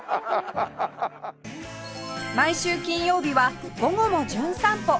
毎週金曜日は『午後もじゅん散歩』